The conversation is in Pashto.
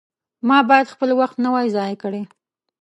ما باید خپل وخت نه وای ضایع کړی.